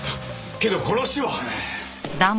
けど殺しは！